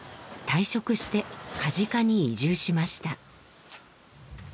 退職して梶賀に移住しました。